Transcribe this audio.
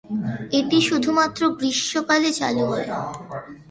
এটি শুধুমাত্র গ্রীষ্মকালে চালু থাকে।